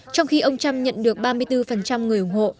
trong khi ông trump nhận được ba mươi bốn người ủng hộ